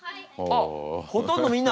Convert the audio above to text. あっほとんどみんな！